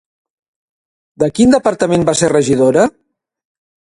De quin departament va ser regidora?